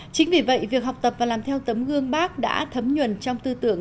chính vì vậy việc học tập và làm theo tấm gương bác đã thấm nhuần trong tư tưởng